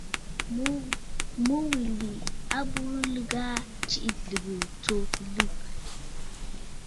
Mu wilì a burə nlɨgə aa tsiʼì lɨ̀gə̀, tso fɨliɨ̂.